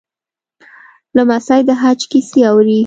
لمسی د حج کیسې اوري.